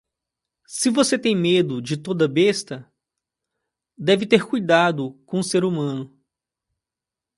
Se você tem medo de toda besta, deve ter cuidado com o ser humano.